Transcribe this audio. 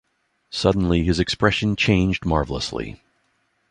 Suddenly his expression changed marvellously.